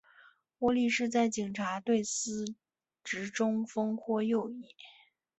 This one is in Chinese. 窝利士在警察队司职中锋或右翼。